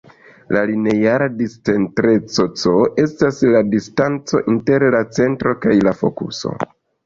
La lineara discentreco "c" estas distanco inter la centro kaj la fokuso.